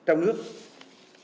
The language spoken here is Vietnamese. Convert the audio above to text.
đối tượng cơ hội chính trị